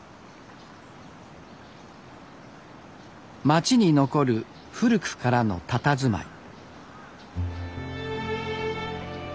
街に残る古くからのたたずまい。